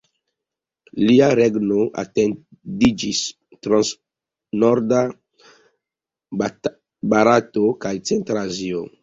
Lia regno etendiĝis trans norda Barato kaj centra Azio.